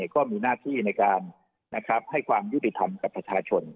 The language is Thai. ก็มีหน้าที่ในการให้ความยุติธรรมกับประชาชน